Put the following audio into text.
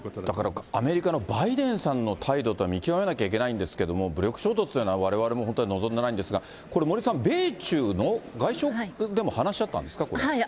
だからアメリカのバイデンさんの態度というのを見極めないといけないんですけど、武力衝突というのはわれわれも本当に望んでないんですが、これ、森さん、米中の外相でも話し合ったんですか、これ。